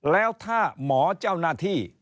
แล้วถ้าหมอเจ้านาธิ